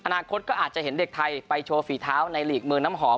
อนาคตก็อาจจะเห็นเด็กไทยไปโชว์ฝีเท้าในหลีกเมืองน้ำหอม